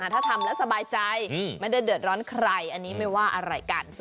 ถ้าทำแล้วสบายใจไม่ได้เดือดร้อนใครอันนี้ไม่ว่าอะไรกัน